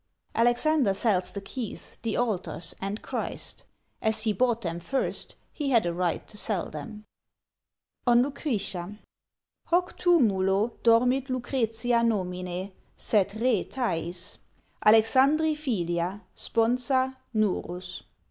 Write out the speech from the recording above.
"Alexander sells the keys, the altars, and Christ; As he bought them first, he had a right to sell them!" On Lucretia: Hoc tumulo dormit Lucretia nomine, sed re Thais; Alexandri filia, sponsa, nurus!